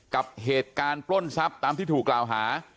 กับเหตุการณ์ปล้นทรัพย์ตามที่ถูกกล่าวหา